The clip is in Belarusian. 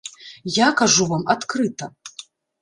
Я кажу вам адкрыта.